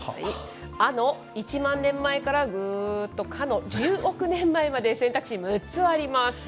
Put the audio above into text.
アの１万年前からぐーっと、かの１０億年前まで選択肢６つあります。